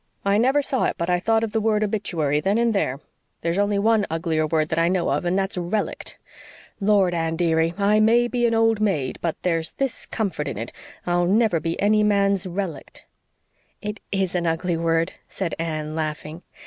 I never saw it but I thought of the word OBITUARY then and there. There's only one uglier word that I know of, and that's RELICT. Lord, Anne, dearie, I may be an old maid, but there's this comfort in it I'll never be any man's 'relict.'" "It IS an ugly word," said Anne, laughing.